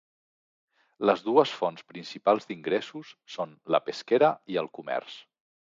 Les dues fonts principals d'ingressos són la pesquera i el comerç.